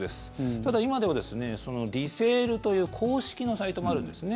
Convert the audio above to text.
ただ、今ではリセールという公式のサイトもあるんですね。